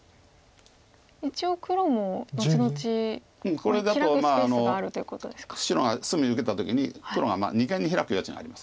これだと白が隅受けた時に黒が二間にヒラく余地があります。